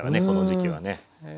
この時期はね。